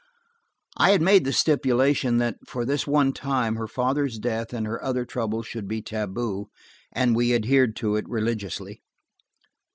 I had made the stipulation that, for this one time, her father's death and her other troubles should be taboo, and we adhered to it religiously.